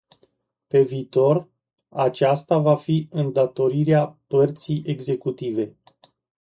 Pe viitor, aceasta va fi îndatorirea părții executive.